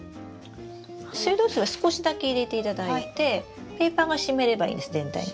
水道水は少しだけ入れていただいてペーパーが湿ればいいんです全体に。